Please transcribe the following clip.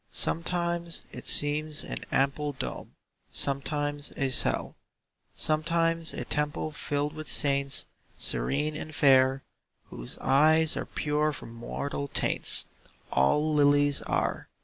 Sometimes it seems an ample dome, Sometimes a cell, Sometimes a temple filled with saints, Serene and fair, Whose eyes are pure from mortal taints All lilies are.